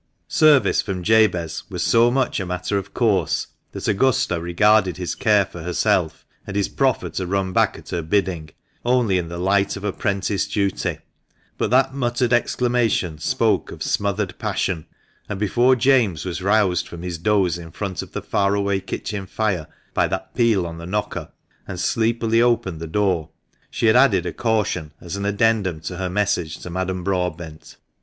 Service from Jabez was so much a matter of course that Augusta regarded his care for herself, and his proffer to run back at her bidding, only in the light of apprentice duty; but that muttered exclamation spoke of smothered passion, and before James was roused from his doze in front of the far away kitchen fire by that peal on the knocker, and sleepily opened the door, she had added a caution as an addendum to her message to Madame Broadbent.